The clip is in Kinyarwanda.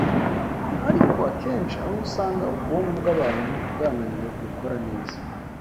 Ariko akenshi aho usanga ubwonko bw’abantu bwananiwe gukora neza